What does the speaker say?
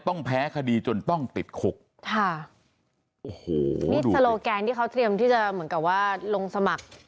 ต้องแพ้คดีจนต้องติดคุกค่ะโอ้โหนี่สโลแกนที่เขาเตรียมที่จะเหมือนกับว่าลงสมัคร